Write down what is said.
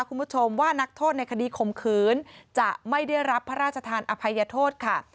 คุณผู้ชมว่านักโทษในคดีข่มขืนจะไม่ได้รับพระราชทานอภัยโทษค่ะ